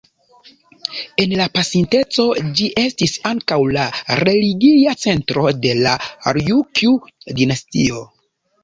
En la pasinteco ĝi estis ankaŭ la religia centro de la Rjukju-dinastio.